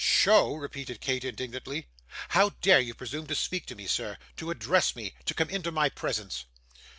'SHOW!' repeated Kate, indignantly. 'How dare you presume to speak to me, sir to address me to come into my presence?